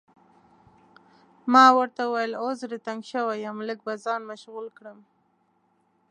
ما ورته وویل اوس زړه تنګ شوی یم، لږ به ځان مشغول کړم.